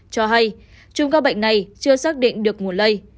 cho hay chung các bệnh này chưa xác định được nguồn lây